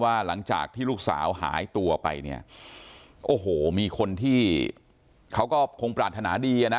หลังจากที่ลูกสาวหายตัวไปเนี่ยโอ้โหมีคนที่เขาก็คงปรารถนาดีอ่ะนะ